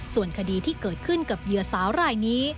ส่วนคดีที่เกิดขึ้นกับเหยื่อสาวรายนี้